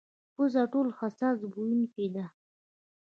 پزه ټولو حساس بویونکې ده.